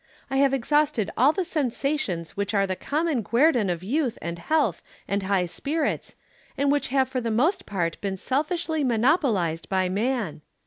I have exhausted all the sensations which are the common guerdon of youth and health and high spirits, and which have for the most part been selfishly monopolized by man.